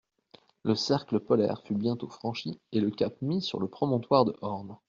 Le cercle polaire fut bientôt franchi, et le cap mis sur le promontoire de Horn.